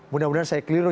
mudah mudahan saya keliru